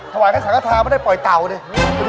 ถวัญท่านศักราชาธามาได้ปล่อยเตาเลย